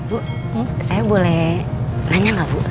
bu saya boleh nanya nggak bu